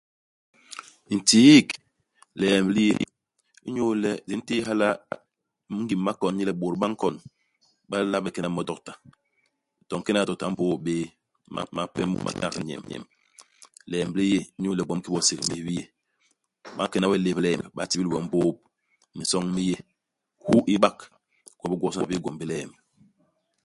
Ntiik liemb li yé. Inyu le di ntéé hala ingim i makon i yé le bôt ba nkon, ba la bé kena mo i dokta. To u nkena i dookta u mbôôp bé. Mape mu ma tinak nyemb. Liemb li yé inyu le gwom kiki bo ségmis bi yé. Ba nkena we i léb-liemb, ba tibil we u mbôôp. Minsoñ mi yé, hu i bak. Igwom bi gwobisôna bi yé gwom bi liemb.